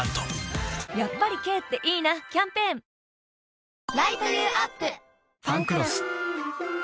やっぱり軽っていいなキャンペーン「ファンクロス」